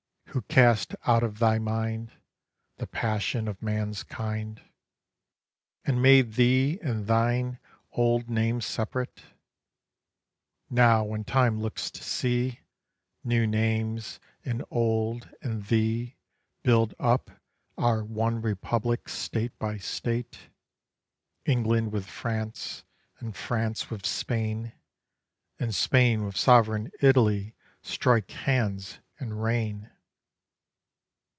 Who cast out of thy mind The passion of man's kind, And made thee and thine old name separate? Now when time looks to see New names and old and thee Build up our one Republic state by state, England with France, and France with Spain, And Spain with sovereign Italy strike hands and reign.